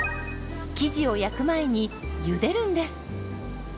生地を焼く前にゆでるんです。